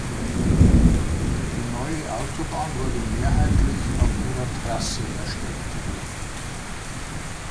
Die neue Autobahn wurde mehrheitlich auf ihrer Trasse erstellt.